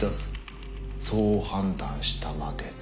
そう判断したまでだ。